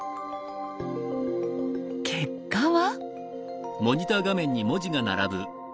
結果は。